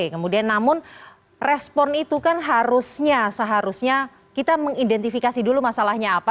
kemudian namun respon itu kan harusnya seharusnya kita mengidentifikasi dulu masalahnya apa